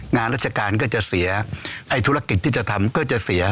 งานราชการก็จะเสียไอ้ธุรกิจที่จะทำก็จะเสีย